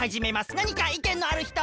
なにかいけんのあるひと？